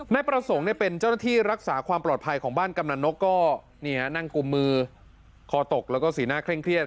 นายประสงค์เป็นเจ้าหน้าที่รักษาความปลอดภัยของบ้านกำนันนกก็นั่งกุมมือคอตกแล้วก็สีหน้าเคร่งเครียด